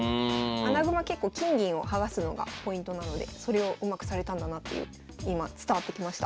穴熊結構金銀を剥がすのがポイントなのでそれをうまくされたんだなっていう今伝わってきました。